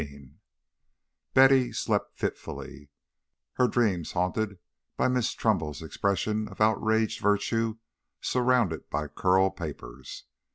XV Betty slept fitfully, her dreams haunted by Miss Trumbull's expression of outraged virtue surrounded by curl papers.